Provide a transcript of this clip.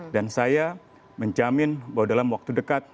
dan saya menjamin bahwa dalam waktu dekat